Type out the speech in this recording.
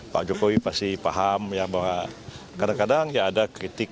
pak jokowi pasti paham ya bahwa kadang kadang ya ada kritik